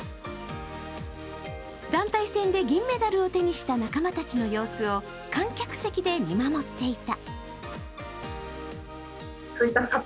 団体戦で銀メダルを手にした仲間たちの様子を観客席で見守っていた。